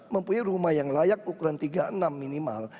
mempunyai rumah yang layak ukuran tiga puluh enam minimal